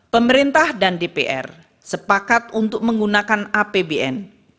pemerintah dan dpr sepakat untuk menggunakan apbn